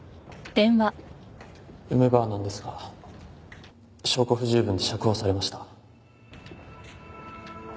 梅ばあなんですが証拠不十分で釈放されました。